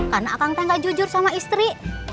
karena akang teh gak jujur sama istri